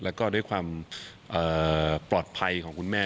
แล้วก็ด้วยความปลอดภัยของคุณแม่